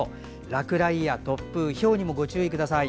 落雷や突風、ひょうにもご注意ください。